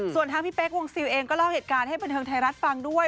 ส่วนทางพี่เป๊กวงซิลเองก็เล่าเหตุการณ์ให้บันเทิงไทยรัฐฟังด้วย